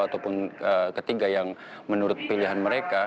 ataupun ketiga yang menurut pilihan mereka